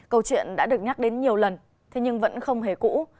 câu chuyện đã được nhắc đến nhiều lần thế nhưng vẫn không hề cũ